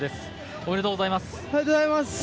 ありがとうございます。